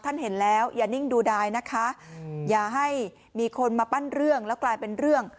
เห็นแล้วอย่านิ่งดูดายนะคะอย่าให้มีคนมาปั้นเรื่องแล้วกลายเป็นเรื่อง